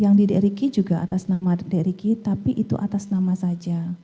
yang di d ricky juga atas nama d ricky tapi itu atas nama saja